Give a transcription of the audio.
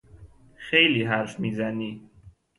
خیلی حرف میزنی!